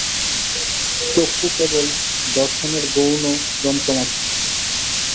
চক্ষু কেবল দর্শনের গৌণ যন্ত্রমাত্র।